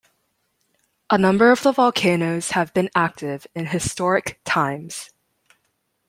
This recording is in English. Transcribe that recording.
A number of the volcanoes have been active in historic times.